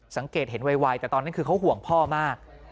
สังเกตเห็นไวแต่ตอนนั้นคือเขาห่วงพ่อมาก